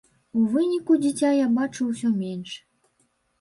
У выніку дзіця я бачыў усё менш.